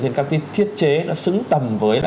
các cái thiết chế nó xứng tầm với